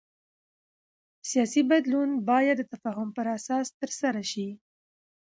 سیاسي بدلون باید د تفاهم پر اساس ترسره شي